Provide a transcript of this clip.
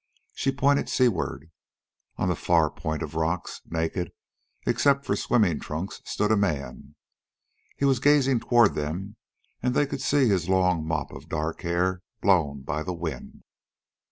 She pointed seaward. On the far point of rocks, naked except for swimming trunks, stood a man. He was gazing toward them, and they could see his long mop of dark hair blown by the wind.